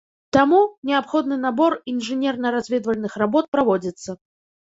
Таму неабходны набор інжынерна-разведвальных работ праводзіцца.